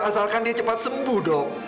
asalkan dia cepat sembuh dok